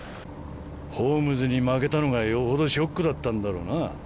ホームズに負けたのがよほどショックだったんだろうな。